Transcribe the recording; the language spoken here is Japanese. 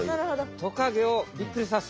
トカゲをびっくりさす。